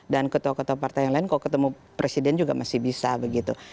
dan ketua ketua partai yang lain kalau ketemu presiden juga masih bisa begitu